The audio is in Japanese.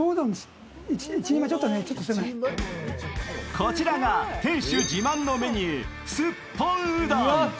こちらが店主自慢のメニュー、すっぽんうどん。